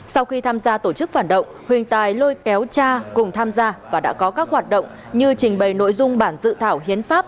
sau khi tham gia tổ chức phản động huỳnh tài lôi kéo cha cùng tham gia và đã có các hoạt động như trình bày nội dung bản dự thảo hiến pháp